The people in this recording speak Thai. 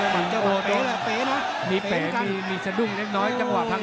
มีโปรโดมีเป๋มีสะดุ้งเล็กจังหวะทั้งห้าง